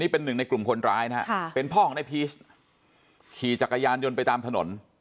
เป็นพ่อของนายพีชขี่จักรยานยนต์ไปตามถนน